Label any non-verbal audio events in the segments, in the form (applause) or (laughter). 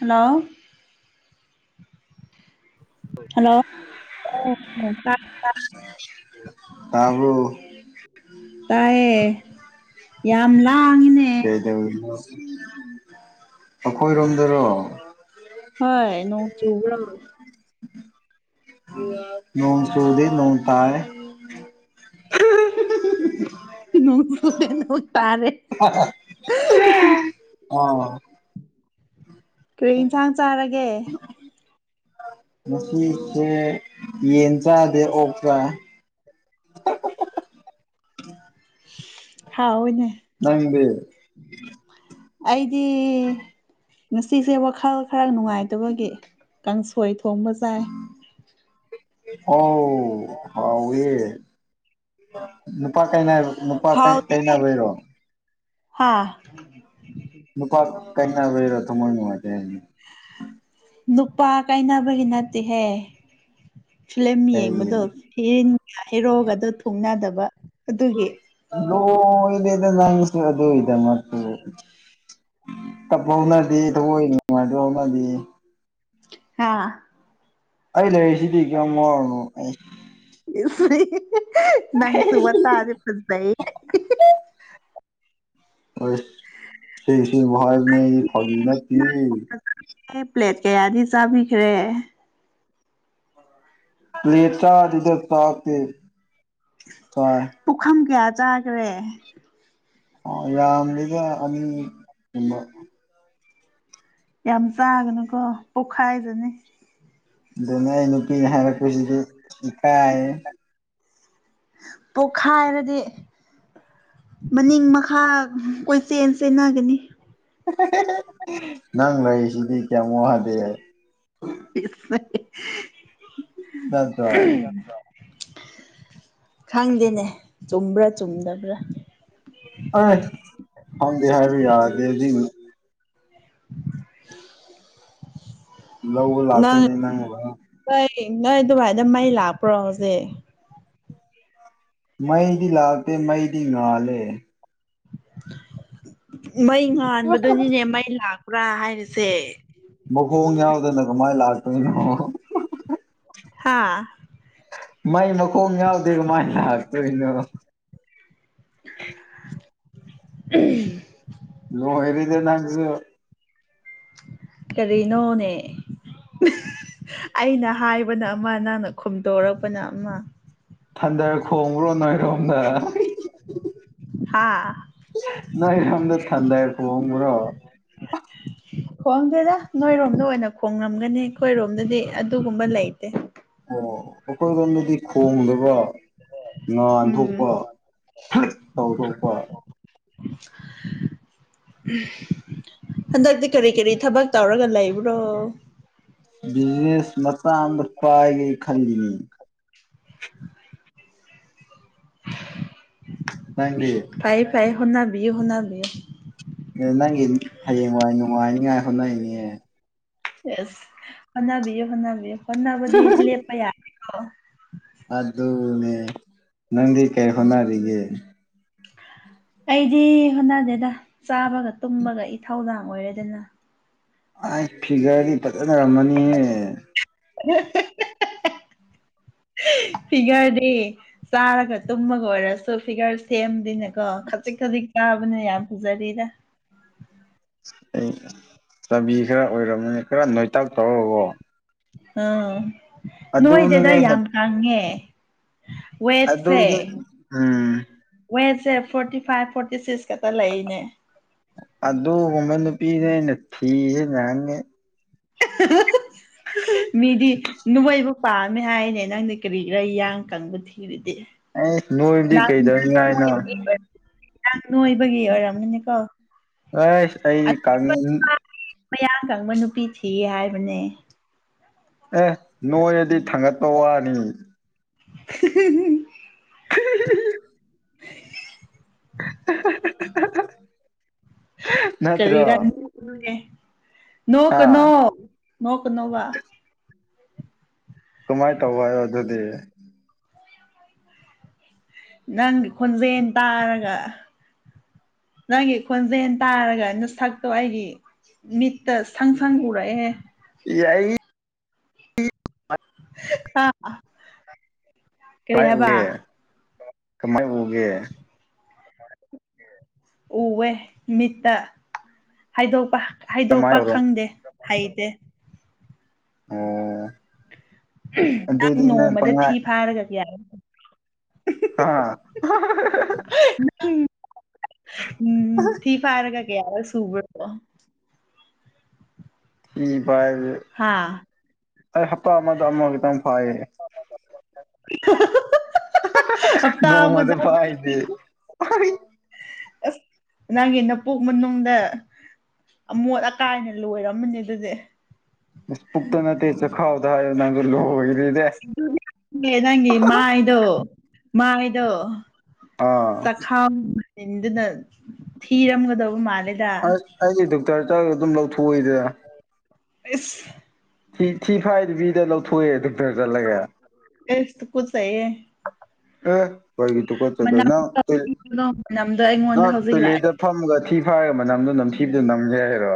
hello hello ꯇꯕꯔꯣ ꯇꯥꯌꯦ ꯌꯥꯝ ꯂꯥꯡꯉꯤꯅꯦ (inaudible) ꯑꯈꯣꯏꯔꯣꯝꯗꯔꯣ ꯍꯣꯏ ꯅꯣꯡ ꯆꯨꯕ꯭ꯔꯣ ꯅꯣꯡ ꯆꯨꯗꯤ ꯅꯣꯡ ꯇꯥꯏ ꯅꯣꯡ ꯆꯨꯗꯦ ꯅꯣꯡ ꯇꯥꯔꯦ ꯑꯥ ꯀꯔꯤ ꯏꯟꯁꯥꯡ ꯆꯥꯔꯒꯦ ꯃꯁꯤꯁꯦ ꯌꯦꯟ ꯆꯥꯗꯦ ꯑꯣꯛ ꯆꯥꯏ (inaudible) ꯍꯥꯎꯑꯦꯅꯦ ꯅꯪꯗꯤ ꯑꯩꯗꯤ ꯉꯁꯤꯁꯦ ꯋꯥꯈꯜ ꯈꯔ ꯅꯨꯡꯉꯥꯏꯇꯕꯒꯤ ꯀꯪ ꯁꯣꯏ ꯊꯣꯡꯕ ꯆꯥꯏ ꯑꯣꯥꯎ ꯍꯥꯎ ꯑꯦ ꯅꯨꯄꯥ ꯀꯩꯅ ꯅꯨꯄꯥ ꯀꯩꯅꯩꯅ ꯑꯣꯏꯔꯣ ꯍꯥꯥ ꯀꯩꯅꯅꯕꯔ ꯊ ꯃꯣꯏꯅꯅꯨꯡꯉ ꯅꯨꯄꯥ ꯀꯥꯏꯅꯕꯒꯤ ꯅꯠꯇꯦꯍꯦ ꯐꯤꯂꯝꯂꯝ ꯀꯩꯒꯤ ꯌꯦꯡꯕꯗꯣ ꯍꯤꯔꯣꯒ ꯑꯗꯨ ꯊꯨꯡꯅꯗꯕ ꯑꯗꯨꯒꯤ ꯑ ꯏꯗ ꯏꯗ ꯅꯪ ꯑꯗꯨꯗꯣ ꯏꯗ ꯃ ꯇꯞ ꯍꯧꯥꯎꯅꯗꯦ ꯊꯑꯣꯏ ꯅꯨꯡꯉꯥꯏ ꯍꯧꯥꯎꯅꯗꯦ ꯍꯥꯥ ꯑꯩ ꯂꯩꯔꯤꯛꯁꯤꯗꯤ ꯀꯌꯥꯝꯝ ꯋꯥꯔꯨꯅꯣ ꯑꯩ ꯅꯪ ꯁꯕ ꯇꯥꯖ ꯐꯗ ꯁꯤꯁꯤꯚꯏ ꯃ ꯊꯕꯤ ꯅꯠꯇ ꯑꯩ ꯄ꯭ꯂꯦꯠ ꯀꯌꯥꯗꯤ ꯆꯥꯕꯤꯈ꯭ꯔꯦ ꯂꯩꯇ ꯏꯗꯔ ꯇꯥꯀꯦ ꯄꯨꯈꯝ ꯀꯌꯥ ꯆꯥꯈ꯭ꯔꯦ ꯑ ꯌꯥꯝꯗꯒ ꯑꯅꯤꯒꯨꯝꯕ ꯌꯥꯝ ꯆꯥꯒꯅꯨꯀꯣ ꯄꯣꯛꯈꯥꯏꯗꯅꯤ ꯑꯗꯨꯅ ꯅꯨꯍꯗꯤ ꯏ ꯀ ꯄꯣꯛꯈꯥꯏ ꯍꯥꯏꯔꯗꯤ ꯃꯅꯤꯡ ꯃꯈꯥ ꯀꯣꯏꯆꯦꯟ ꯆꯦꯟꯅꯒꯅꯤ ꯅꯪ ꯂꯩꯁꯤꯗꯤ ꯀꯌꯥꯃ ꯍꯥꯗꯦ ꯍꯥꯏ ꯅꯠꯇ꯭ꯔꯣ (unintelligible) ꯈꯪꯗꯦꯅꯦ ꯆꯨꯝꯕ꯭ꯔꯥ ꯆꯨꯝꯗꯕ꯭ꯔꯥ ꯑ ꯍ ꯍꯔꯕꯤ ꯌꯥꯗꯦꯗꯤ (unintelligible) ꯂꯧꯕ ꯅꯪ ꯂꯥꯛꯇꯅꯦ ꯅ ꯃ ꯅꯣꯏ ꯅꯣꯏ ꯑꯗꯨꯚꯥꯏꯗ ꯃꯩ ꯂꯥꯛꯄ꯭ꯔꯣ ꯍꯧꯖꯤꯛ ꯃꯩꯗꯤ ꯂꯥꯒꯇ ꯃꯩꯗꯤ ꯉꯅꯥ ꯂꯩ ꯃꯩ ꯉꯥꯟꯕꯗꯨꯅꯤꯅꯦ ꯃꯩ ꯂꯥꯛꯄ꯭ꯔꯥ ꯍꯥꯏꯔꯤꯁꯦ ꯃꯈꯣꯡ ꯌꯥꯎꯗꯅ ꯀꯃꯥꯏ ꯂꯥꯛꯇꯣꯏꯅꯣ ꯍꯥꯥ ꯃꯥꯏ ꯃ ꯃꯈꯣꯡ ꯌꯥꯎꯗ ꯃꯥꯥꯏ ꯂꯥꯛ ꯇꯅ (unintelligible) ꯂ ꯍꯔꯤꯗ ꯅꯪꯁꯨ ꯀꯔꯤꯅꯣꯅꯦ ꯑꯩꯅ ꯍꯥꯏꯕꯅ ꯑꯃ ꯅꯪꯅ ꯈꯨꯝꯗꯣꯔꯛꯄꯅ ꯑꯃ ꯊꯟꯗꯔ ꯈꯣꯡꯕ꯭ꯔꯣ ꯅꯣꯏꯔꯣꯝꯗ ꯍꯥꯥ ꯅꯔꯝꯗ ꯊꯥꯥꯟꯗꯥꯏꯈ ꯑꯨꯝ꯭ꯔꯣ (unintelligible) ꯈꯣꯡꯗꯦꯗ ꯅꯣꯏꯔꯣꯝꯗ ꯑꯣꯏꯅ ꯈꯣꯡꯡꯂꯝꯒꯅꯤ ꯑꯩꯈꯣꯏꯔꯣꯝꯗꯗꯤ ꯑꯗꯨꯒꯨꯝꯕ ꯂꯩꯇꯦ ꯑꯣ ꯑꯩꯈꯣꯏ ꯂꯣꯟꯝꯗꯗꯤ ꯈꯣꯡꯗꯕ ꯎꯝ ꯉꯟꯊꯣꯛꯄ ꯇꯧꯊꯣꯛꯄ (unintelligible) ꯍꯟꯗꯛꯇꯤ ꯀꯔꯤ ꯀꯔꯤ ꯊꯕꯛ ꯇꯧꯔꯒ ꯂꯩꯕ꯭ꯔꯣ ꯕꯤꯖꯤꯅꯦꯁ ꯃꯇꯥꯡꯗ ꯄꯥꯏꯒꯦ ꯈꯜꯂꯤꯅꯤ ꯅꯪꯗꯤ ꯐꯥꯏ ꯐꯥꯏ ꯍꯨꯅꯥꯕꯤ ꯍꯨꯅꯥꯕꯤ ꯅꯪꯒꯤ ꯍꯌꯦꯡꯋꯥꯏ ꯅꯨꯡꯉꯥꯏꯅꯤꯉꯥꯏ ꯍꯣꯠꯅꯔꯤꯅꯦ ꯌꯦꯁ ꯐꯅꯥꯕꯤꯌ ꯐꯅꯥꯕꯤꯌꯣ ꯐꯅꯕꯗꯤ ꯂꯦꯞꯄ ꯌꯥꯔ ꯑꯗꯨꯅꯦ ꯅꯪ ꯀꯥꯏ ꯍꯣꯅꯔꯤꯒ ꯑꯩꯗꯤ ꯍꯣꯠꯅꯗꯦꯗ ꯆꯥꯕꯒ ꯇꯨꯝꯕꯒ ꯏꯊꯧꯗꯥꯡ ꯑꯣꯏꯔꯦꯗꯅ ꯑꯩ ꯐꯤꯒꯔꯗꯤ ꯐꯖꯅꯔꯝꯃꯅꯤꯍꯦ (unintelligible) ꯐꯤꯒꯔꯗꯤ ꯆꯥꯔꯒ ꯇꯨꯝꯃꯒ ꯑꯣꯏꯔꯁꯨ ꯐꯤꯒꯔ ꯁꯦꯝꯗꯅꯦꯀꯣ ꯀꯗꯤ ꯀꯥꯕꯅꯦ ꯌꯥꯝ ꯄꯨꯖꯔꯤꯗ ꯑꯩ ꯆꯥꯕꯤ ꯈꯔ ꯑꯣꯏꯔꯝꯃꯅꯤ ꯈꯔ ꯅꯣꯏꯇꯥꯛ ꯇꯧꯔꯕꯣ ꯑꯥ ꯅꯣꯏꯗꯗ ꯑꯩꯅ ꯌꯥꯝ ꯀꯪꯉꯦ ꯑꯗꯨꯗꯤ ꯋꯦꯠꯁꯦ ꯎꯝ ꯋꯦꯠꯁꯦ ꯐꯣꯔꯇꯤ ꯐꯥꯏꯚ ꯐꯣꯔꯇꯤ ꯁꯤꯛꯁ ꯈꯛꯇ ꯂꯩꯅꯦ ꯑꯗꯨꯒꯨꯝꯕ ꯅꯨꯄꯤꯁꯦ ꯑꯩꯅ ꯊꯤꯖꯦ ꯌꯥꯒꯦ ꯃꯤꯗꯤ ꯅꯣꯡꯃꯩꯕꯨ ꯄꯥꯝꯃꯦ ꯍꯥꯏꯅꯦ ꯅꯪꯗꯤ ꯀꯔꯤ ꯈꯔ ꯏꯌꯥꯡ ꯀꯪꯕ ꯊꯤꯕꯗꯤ ꯑꯩꯁ ꯅꯣꯏꯕꯗꯤ ꯅ ꯀꯩꯗꯧꯅꯤꯡꯉꯥꯏꯅꯣ ꯅꯣꯏꯕꯒꯤ ꯑꯣꯏꯔꯝꯅꯤꯅꯦꯀꯣ ꯍ ꯑꯩ ꯀꯃꯤ ꯃꯌꯥ ꯀꯪꯕ ꯅꯨꯄꯤ ꯊꯤ ꯍꯥꯏꯕꯅꯦ ꯑꯦ ꯅꯣꯏ ꯑꯗꯨꯗꯤ ꯊꯥꯡꯒꯠꯄ ꯋꯥꯅꯤ (unintelligible) (unintelligible) (unintelligible) ꯀꯔꯤ ꯅꯠꯇ꯭ꯔꯣ ꯔꯅꯤꯦ ꯅꯣꯛ ꯑꯥ ꯀꯅꯣ ꯅꯣꯛ ꯀꯅꯣꯕ ꯀꯃꯥꯏꯅ ꯇꯧꯕ ꯍꯥꯏꯣ ꯑꯗꯨꯗꯤ ꯅꯪꯒꯤ ꯈꯣꯟꯖꯦꯜ ꯇꯥꯔꯒ ꯅꯪꯒꯤ ꯈꯣꯟꯖꯦꯜ ꯇꯥꯔꯒ ꯅ ꯁꯛꯇꯣ ꯑꯩꯒꯤ ꯃꯤꯠꯇ ꯁꯪ ꯐꯪꯒꯨꯔ ꯑꯦꯦ ꯌꯥꯏ ꯑꯥ ꯀꯃꯥꯏ ꯎꯒꯦ ꯀꯃꯥꯏ ꯎꯕꯒꯦ ꯎꯑꯦ ꯃꯤꯠꯇ ꯍꯥꯏꯗꯣꯛꯄ ꯀꯃꯥꯏ ꯍꯥꯏꯗꯣꯛꯄ ꯇꯧꯔꯣ ꯈꯪꯗꯦ ꯍꯥꯏꯩꯗꯦ ꯑꯣ ꯅꯪ ꯅꯣꯡꯃꯗ ꯊꯤ ꯐꯥꯔꯒꯁꯨ ꯌꯥꯔꯦ ꯑ ꯎꯝ ꯊꯤ ꯐꯔꯒ ꯀꯔ ꯁꯨꯕꯔꯣ ꯏ ꯚꯥꯏ ꯍꯥ ꯑꯩ ꯍꯞꯇꯥ ꯑꯃꯗ ꯑꯃ ꯈꯤꯇꯪ ꯐꯥꯏꯌꯦ (unintelligible) ꯍꯞꯇꯥ ꯅꯣꯡꯃꯗ ꯑꯃꯗ ꯄꯥꯏꯅꯦꯦ ꯑꯁ ꯅꯪꯒꯤ ꯅꯄꯣꯛ ꯃꯅꯨꯡꯗ ꯑꯃꯣꯠ ꯑꯀꯥꯏꯅ ꯂꯣꯏꯔꯝꯃꯅꯤ ꯑꯗꯨꯗꯤ ꯄꯨꯛꯛꯇꯅ ꯆ ꯈꯥꯎ ꯊ ꯅꯪꯒꯔ ꯂꯣ ꯅꯪꯒꯤ ꯃꯥ ꯏꯣ ꯃꯥ ꯏꯣ ꯑꯥ ꯆꯈꯥꯎꯗꯨꯅ ꯊꯤꯔꯝꯒꯗꯕ ꯃꯥꯜꯂꯦ ꯑ ꯍꯥꯏ ꯊ ꯇꯔ ꯆ ꯑꯗꯨꯝ ꯂꯧꯊ ꯑ ꯊꯤ ꯊꯤ ꯐꯥꯏꯗꯨꯕꯤꯗ ꯂꯧꯊꯣꯛꯑꯦ ꯑꯗꯨꯇꯔ ꯆꯠꯂꯒꯦ ꯑꯁ ꯇꯨꯀꯠꯆꯩꯌꯦ ꯑꯦ ꯑꯩꯣꯏꯒꯤꯗꯨꯨ ꯀꯣꯠꯆꯗꯣꯏ ꯃꯅꯝꯗꯣ ꯃꯅꯝꯗꯣ ꯑꯩꯉꯣꯟꯗ ꯅꯪꯪ ꯍꯧꯖꯤꯛ ꯂꯥꯛꯑꯦ ꯇꯂꯦꯗ ꯐꯝꯃꯒ ꯊꯤ ꯐꯒ ꯃꯅꯝꯗꯨꯣ ꯅꯝꯊꯤꯗꯨ ꯅꯝꯒꯦ ꯍꯥꯏꯔꯣ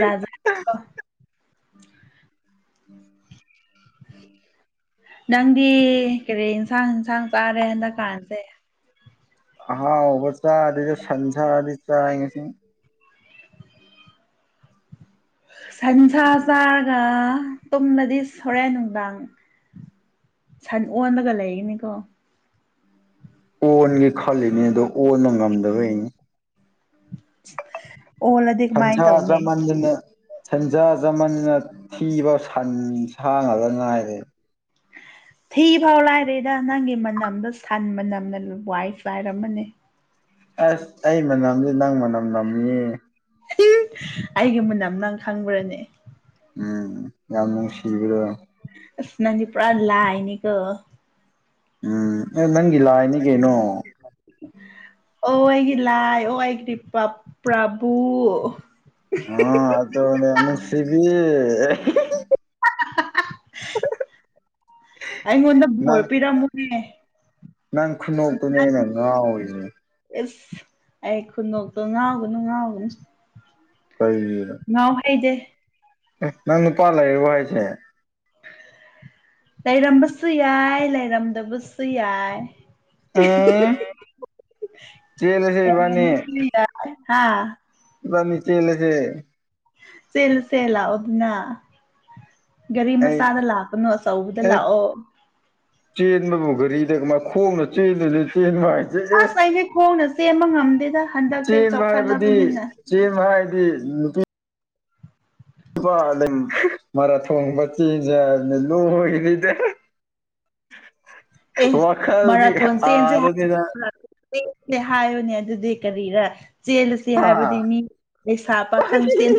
ꯌꯥꯖ ꯎꯝ ꯎꯝ ꯎꯝ ꯅꯪꯗꯤ ꯀꯔꯤ ꯌꯦꯟꯁꯥꯡ ꯏꯟꯁꯥꯡ ꯆꯥꯔꯦ ꯍꯟꯗꯛꯀꯥꯟꯁꯦ ꯑ ꯑꯣꯕ ꯆ ꯑꯗꯨ ꯑꯗꯨꯗ ꯁꯟꯖꯥꯗꯤ ꯆ ꯉꯁꯤ ꯁꯟꯁꯥ ꯆꯥꯔꯒ ꯇꯨꯝꯂꯗꯤ ꯁꯣꯔꯦꯟ ꯅꯨꯡꯗꯥꯡ ꯁꯟ ꯑꯣꯟꯂꯒ ꯂꯩꯒꯅꯤꯀꯣ ꯑꯣꯟꯒꯦ ꯈꯜꯂꯤꯅꯦ ꯑꯗꯣ ꯑꯣꯕ ꯉꯝꯗꯕꯩꯅꯤ (unintelligible) ꯀꯃꯥꯏꯅ ꯊꯟꯊ ꯆ ꯇꯧꯅꯤ ꯃꯥꯟꯖꯅ ꯁꯟꯖꯥ ꯖꯃꯟꯅ ꯊꯤꯕ ꯁꯟ ꯁꯥꯡꯉꯒ ꯉꯅꯥꯏꯔꯦ ꯊꯤ ꯐꯥꯎ ꯂꯥꯏꯔꯦꯗ ꯅꯪꯒꯤ ꯃꯅꯝꯗꯣ ꯁꯟ ꯃꯅꯝꯅ ꯋꯥꯏꯁꯨꯥꯏꯔꯝꯃꯅꯦ ꯑꯁ ꯑꯩ ꯃꯅꯝꯗꯤ ꯅꯪ ꯃꯅꯝ ꯅꯝꯃꯤ ꯑꯩꯒ ꯃꯨꯅꯝ ꯅꯪ ꯈꯪꯕ꯭ꯔꯅꯦ ꯎꯝ ꯌꯥꯝ ꯅꯨꯡꯁꯤꯕꯤ꯭ꯔꯣ ꯅꯗꯤ ꯄꯨꯔꯥ ꯂꯑꯅꯤ ꯀꯣ ꯎꯝ ꯑꯦ ꯅꯪꯒꯤ ꯂꯥꯛꯑꯅꯤ ꯀꯩꯅꯣ ꯑꯣ ꯑꯩꯒꯤ ꯂꯥꯏ ꯑꯣ ꯑꯩꯒꯤꯗꯤ ꯄ꯭ꯔꯚꯨ ꯑ ꯑ ꯇꯁꯤꯕꯤ ꯑꯩꯉꯣꯟꯗ ꯕꯣꯔ ꯅꯪ ꯄꯤꯔꯝꯃꯨꯅꯦ ꯅꯪ ꯈꯨꯟꯗꯣꯛꯇꯨꯅꯦꯅ ꯉꯥꯎꯔꯤꯅꯦ ꯑꯁ ꯑꯩ ꯈꯨꯗꯣꯛꯇꯣ ꯉꯥꯎꯒꯅꯨ ꯉꯥꯎꯒꯅꯨ ꯀꯩꯒꯤꯅꯣ ꯉꯎ ꯍꯩꯗꯦ ꯅꯪ ꯅꯨꯄꯥꯂ ꯍꯥꯏꯁꯦ ꯂꯩꯔꯝꯕꯁꯨ ꯌꯥꯏ ꯂꯩꯔꯝꯗꯕꯁꯨ ꯌꯥꯏ ꯎꯝ ꯆꯦꯜꯂꯁꯦ ꯏꯕꯥꯅꯤ ꯍꯥꯥ ꯕꯥ ꯅꯅꯤꯆꯦ ꯏꯂꯁꯦ ꯆꯂ ꯆꯦꯂ ꯑꯣꯗꯅ ꯒꯥꯔꯤ ꯑꯩ ꯃꯆꯥꯗ ꯂꯥꯛꯄꯅꯣ ꯑꯆꯧꯕꯗ ꯑꯦ ꯂꯥꯛꯑꯣ ꯆꯦꯟꯕꯕꯨ ꯘꯔꯤꯗꯥꯏ ꯈꯣꯡꯅ ꯆꯦꯟꯗꯅ ꯆꯦꯟꯕ ꯍꯥꯏ ꯑꯁ ꯑꯩꯗꯤ ꯈꯣꯡꯅ ꯆꯦꯟꯕ ꯉꯝꯗꯦꯗ ꯍꯟꯗꯛꯇꯤ ꯆꯦꯟ ꯍꯥꯏꯕꯗꯤ ꯆꯥꯎꯈꯠꯂꯕꯅꯤꯅ ꯆꯦꯟ ꯍꯥꯏ (unintelligible) ꯋꯥ ꯃꯥꯔ ꯊꯣꯡꯣꯡꯕ ꯆꯤꯖ ꯂꯨ ꯍꯣꯏ ꯂꯤꯗꯦ (unintelligible) ꯑꯦ ꯋꯥꯈꯜꯗꯤ ꯃꯔꯥꯊꯣꯟ ꯆꯦꯟꯁꯦ ꯑꯥꯗꯅꯤꯅ ꯆꯦ ꯍꯥꯏꯌꯨꯅꯦ ꯑꯗꯨꯗꯤ ꯀꯔꯤꯔ ꯆꯦꯜꯂꯁꯤ ꯍꯥ ꯍꯥꯏꯕꯗꯤ ꯃꯤ ꯂꯩꯩꯁꯥ ꯄꯥꯈꯪ ꯆꯦꯟ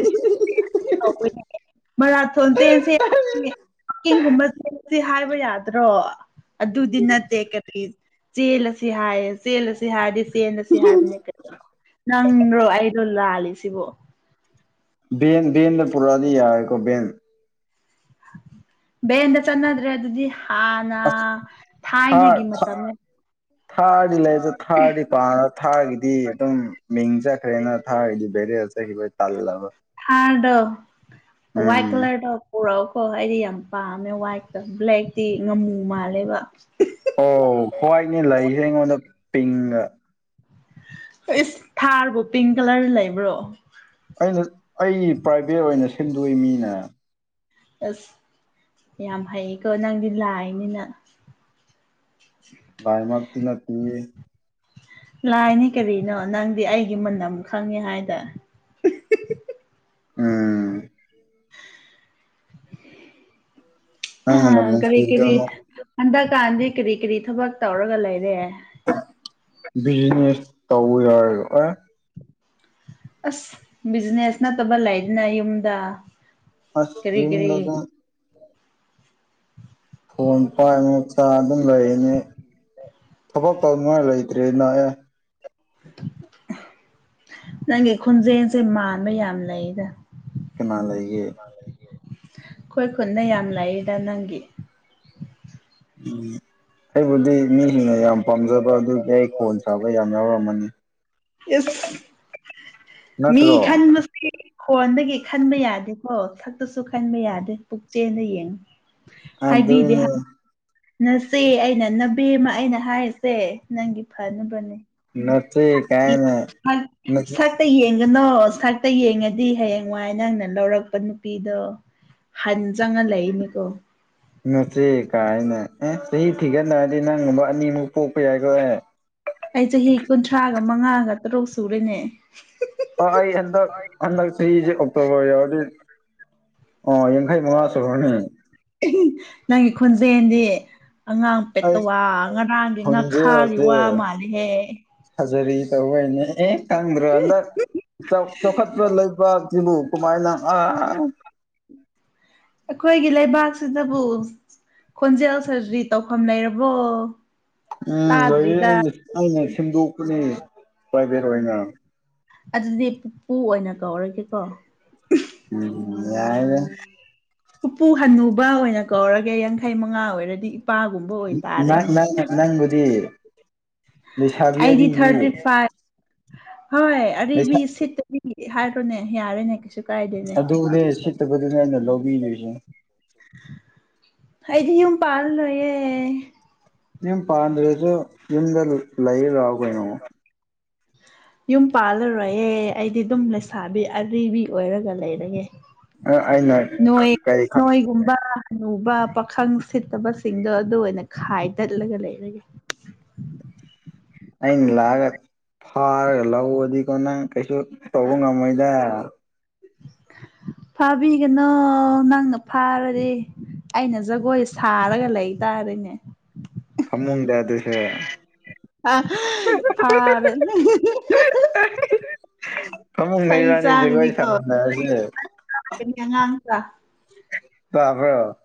ꯃꯔꯥꯊꯣꯟ ꯆꯁꯦ ꯍꯥꯏꯕ ꯌꯥꯗ꯭ꯔꯣ ꯑꯗꯨꯗꯤ ꯅꯠꯇꯦ ꯀꯔꯤ ꯆꯦꯜꯂ ꯑꯁꯤ ꯍꯥꯏꯌꯦ ꯆꯦꯜꯂ ꯁꯤ ꯍꯥꯏꯔꯗꯤ ꯆꯦꯟꯗ ꯁꯤ ꯍꯥꯏꯕꯅꯦ ꯀ ꯅꯪ꯭ꯔꯣ ꯑꯩꯗꯣ ꯂꯥꯜꯂꯤ ꯁꯤꯕꯣ ꯟꯗ ꯄꯨꯔꯥꯅꯤ ꯍꯥꯏ ꯀꯧꯕ ꯦꯟ ꯕꯗ ꯆꯟꯗ꯭ꯔꯦ ꯑꯗꯨ ꯑꯗꯨꯗꯤ ꯅ ꯑꯁ ꯊꯥꯏꯅꯒꯤ ꯊꯥꯔ ꯊꯥ ꯃꯇꯝꯅꯤ ꯊꯥꯔꯗꯤ ꯂꯩꯁꯨ ꯊꯥꯔꯗꯤ ꯄꯥ ꯊꯥꯔꯒꯤꯗꯤ ꯑꯗꯨꯝ ꯃꯤꯡ ꯆꯠꯈ꯭ꯔꯦꯅ ꯊꯥꯔꯒꯤꯗꯤ ꯕꯦꯔꯦ ꯍ ꯇꯥꯂꯝꯕ ꯔꯗ ꯋꯥꯏꯠ ꯎꯝ ꯀꯂꯔꯗ ꯄꯔꯣ ꯀꯣ ꯑꯩꯗꯤ ꯌꯥꯝ ꯄꯥꯝꯃꯦ ꯋꯥꯏꯠꯇꯣ ꯕ꯭ꯂꯦꯛꯇꯤ ꯉꯥꯃꯨ ꯃꯥꯜꯂꯦꯕ ꯑꯣ ꯍ꯭ꯋꯥꯏꯠꯅꯦ ꯂꯩꯁꯦ ꯑꯩꯉꯣꯟꯗ ꯄꯤꯡꯒ ꯑꯦꯁ ꯊꯥꯔꯕꯨꯣ ꯄꯤꯡ ꯀꯂꯔ ꯂꯩꯕ꯭ꯔꯣ ꯑꯩꯅ ꯑꯩ ꯄ꯭ꯔꯥꯏꯚꯦꯠ ꯑꯣꯏꯅ ꯁꯦꯝꯟꯗꯣꯛ ꯃꯤꯅ ꯑꯁ ꯌꯥꯝ ꯍꯩꯌꯦꯀꯣ ꯅꯪꯗꯤ ꯂꯥꯏꯅꯤꯅ ꯚꯏ ꯃꯥꯔꯇꯅ ꯇ ꯂꯥꯏꯅꯤ ꯀꯔꯤꯅꯣ ꯅꯪꯗꯤ ꯑꯩꯒꯤ ꯃꯝ ꯈꯪꯉꯦ ꯍꯥꯏꯗꯅ ꯎꯝ ꯅꯪ ꯃꯅꯝ ꯀꯔꯤ ꯀꯔꯤ ꯅꯨꯡꯁꯤꯕꯗꯧꯅ ꯍꯟꯗꯛꯀꯥꯟꯗꯤ ꯀꯔꯤ ꯀꯔꯤ ꯊꯕꯛ ꯇꯧꯔꯒ ꯂꯩꯔꯦ ꯕꯤꯖꯤꯅꯦꯁ ꯇꯧꯋꯤ ꯌꯥꯔ ꯑꯦ ꯑꯁ ꯕꯤꯖꯤꯅꯦꯁ ꯅꯠꯇꯕ ꯂꯩꯗꯅ ꯌꯨꯝꯗ ꯑꯁ ꯀꯔꯤ ꯖꯤꯝ ꯀꯔꯤ ꯂꯗ ꯐꯣꯟ ꯄꯥꯏ ꯃꯆꯥ ꯑꯗꯨꯝ ꯂꯩꯅꯤ ꯊꯕꯛ ꯁꯃꯥꯏꯂꯩꯇ꯭ꯔꯤ ꯏ ꯅꯦ ꯅꯪꯒꯤ ꯈꯣꯟꯖꯦꯜꯁꯦ ꯃꯥꯟꯕ ꯌꯥꯝ ꯂꯩꯗ ꯀꯃ ꯂꯩꯌꯦ ꯑꯩꯣꯏ ꯈꯨꯅ ꯌꯥꯝ ꯂꯩꯔꯤꯗ ꯅꯪꯒꯤ ꯎꯝ ꯑꯩꯕꯨꯗꯤ ꯃꯤꯁꯤꯡꯅ ꯌꯥꯝ ꯄꯥꯝꯖꯕ ꯑꯗꯨꯒꯤ ꯑꯩ ꯈꯣꯟ ꯁꯥꯕ ꯌꯥꯝ ꯌꯥꯎꯔꯝꯃꯅꯤ ꯏꯁ ꯃꯤ ꯅꯠꯇ꯭ꯔꯣ ꯈꯟꯁꯦ ꯍꯣꯟꯗꯒꯤ ꯈꯟꯕ ꯌꯥꯗꯦꯀꯣ ꯁꯛꯇꯁꯨ ꯈꯟꯕ ꯌꯥꯗꯦ ꯄꯨꯛꯆꯦꯗ ꯌꯦꯡꯉꯨ ꯑꯗꯨ ꯍꯥꯏꯕꯤꯗꯦ ꯑꯗꯨꯅꯦ ꯅꯆꯦ ꯑꯩꯅ ꯅꯕꯦꯝꯃ ꯑꯩꯅ ꯍꯥꯏꯔꯤꯁꯦ ꯅꯪꯒꯤ ꯐꯅꯕꯅꯦ ꯅꯆꯦ ꯀꯥꯏꯅ ꯁꯠꯇ ꯌꯦ ꯀꯅꯣ ꯁꯛꯇ ꯌꯦꯡꯉꯗꯤ ꯍꯌꯦꯡꯋꯥꯏ ꯅꯪꯅ ꯂꯧꯔꯛꯄ ꯅꯨꯄꯤꯗꯣ ꯍꯟ ꯆꯪꯉ ꯂꯩꯅꯤꯀꯣ ꯅꯣꯠꯁꯦ ꯀꯥꯏꯅ ꯑꯦ ꯆꯍꯤ ꯊꯤꯒꯠꯅꯔꯗꯤ ꯅꯪꯒꯨꯝꯕ ꯑꯅꯤꯃꯨꯛ ꯄꯣꯛꯄ ꯌꯥꯏꯀꯣ ꯑꯦ ꯑꯩ ꯆꯍꯤ ꯀꯨꯟꯊ꯭ꯔꯥꯒ ꯃꯉꯥꯒ ꯇꯔꯨꯛ ꯁꯨꯔꯅꯦ ꯑ ꯑꯩ ꯍꯟꯗꯛ ꯍꯟꯗꯛ ꯆꯍꯤꯁꯦ ꯑꯣꯛꯇꯣꯕꯔ ꯌꯧꯔꯗꯤ ꯑꯣ ꯌꯥꯡꯈꯩ ꯃꯉꯥ ꯁꯨꯈ꯭ꯔꯅꯤ ꯅꯪꯒꯤ ꯈꯨꯣꯟꯖꯗꯤ ꯑꯉꯥꯡ ꯑꯩ ꯄꯦꯠꯇꯋꯥ ꯉꯔꯥꯡꯒꯤ ꯉꯥꯈꯥꯒꯤ ꯋꯥ ꯃꯥꯜꯂꯤꯍꯦ ꯐꯖꯔꯤ ꯇꯧꯕꯅꯦ ꯑꯦ ꯈꯪꯗ꯭ꯔꯣ ꯍꯟꯗꯛ ꯆꯥꯎꯈꯠꯄ ꯂꯩꯕ ꯁꯤꯕꯨꯨ ꯀꯃꯥꯏꯅ ꯑꯥ ꯑꯩꯈꯣꯏꯒꯤ ꯂꯩꯕꯥꯛꯁꯤꯗꯕꯨ ꯈꯣꯟꯖꯦꯜ ꯁꯔꯖꯔꯤ ꯇꯧꯐꯝ ꯂꯩꯔꯕꯣ ꯎꯝ ꯂꯩꯌꯦ ꯇꯥꯗ꯭ꯔꯤꯗ ꯑꯩꯅ ꯁꯦꯝꯗꯣꯛꯄꯅꯤ ꯄ꯭ꯔꯥꯏꯚꯦꯠ ꯑꯣꯏꯅ ꯑꯗꯨꯗꯤ ꯄꯨꯄꯨ ꯑꯣꯏꯅ ꯀꯧꯔꯒꯦꯀꯣ ꯎꯝ ꯌꯥꯔꯔ ꯍꯄꯨ ꯍꯟꯅꯨꯕ ꯑꯣꯏꯅ ꯀꯧꯔꯒꯦ ꯌꯥꯡꯈꯩ ꯃꯉꯥ ꯑꯣꯏꯔꯗꯤ ꯅꯨꯄꯥꯒꯨꯝꯕ ꯅꯪ ꯑꯣꯏꯇꯥꯔꯦꯅꯦ ꯅꯪ ꯅꯪꯕꯨꯗꯤ ꯂꯩꯁꯥꯕꯤ ꯑꯩꯗꯤ ꯑꯔꯤꯕꯤ ꯊꯥꯔꯇꯤ ꯐꯥꯏꯚ ꯍꯣꯏ ꯂꯩꯁꯥ ꯑꯔꯤꯕꯕꯤ ꯁꯤꯠꯇꯗꯤ ꯍꯥꯏꯔꯣꯅꯦ ꯌꯥꯔꯦꯅꯦ ꯀꯩꯁꯨ ꯀꯥꯏꯗꯦꯅꯦ ꯑꯗꯨꯅꯦ ꯁꯤꯠꯇꯕꯗꯨꯅꯦ ꯑꯩꯅ ꯂꯧꯕꯤꯗꯣꯏꯁꯦ ꯑꯩꯗꯤ ꯌꯨꯝ ꯄꯥꯜꯂꯌꯦꯦ ꯌꯨꯝ ꯄꯥꯟꯝꯗ꯭ꯔꯁꯨ ꯌꯨꯝꯗ ꯂꯩ ꯂꯥꯛꯑꯣ ꯀꯩꯅꯣ ꯌꯨꯝ ꯄꯥꯜꯂꯔꯣꯏꯍꯦ ꯑꯩꯗꯤ ꯑꯗꯨꯝ ꯂꯩꯁꯥꯕꯤ ꯑꯤ ꯑꯣꯏꯔꯒ ꯂꯩꯔꯒꯦ ꯑꯩꯅ ꯅꯣꯏ ꯀꯩ ꯅꯣꯏꯒꯨꯝꯕ ꯅꯨꯕ ꯄꯥꯈꯪ ꯁꯤꯠꯇꯕꯁꯤꯡꯗꯣ ꯑꯗꯨ ꯑꯣꯏꯅ ꯈꯥꯏꯗꯠꯂꯒ ꯂꯩꯔꯒꯦ (inaudible) ꯑ ꯂꯥꯛꯑꯒ ꯐꯔꯒ ꯂꯧ ꯑꯗꯣ ꯅꯪ ꯀꯩꯁꯨ ꯇꯧꯕ ꯉꯝꯃꯣꯏꯗ ꯐꯥꯕꯤꯒꯅꯣ ꯅꯪꯅ ꯐꯥꯔꯗꯤ ꯑꯩꯅ ꯖꯒꯣꯏ ꯁꯥꯔꯒ ꯂꯩꯇꯥꯔꯦꯅꯦ ꯐꯃꯨꯡꯗ ꯑꯗꯨꯁꯦ ꯑ ꯐꯕ ꯀꯃꯛ ꯅꯕꯅꯤ ꯒꯏ ꯁꯃꯁꯦ ꯀꯅꯤ ꯑꯉꯥꯡ ꯀ ꯇꯕ꯭ꯔ